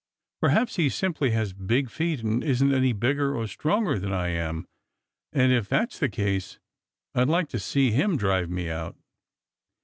Perhaps he simply has big feet and isn't any bigger or stronger than I am, and if that's the case I'd like to see him drive me out!"